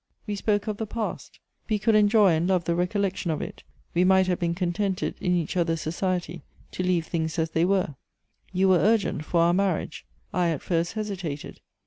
We spoke of the past; we could enjoy and love the rec ollection of it ; we might have been contented in each other's society, to leave things as they were. You were urgent for our marriage. I at first hesitated.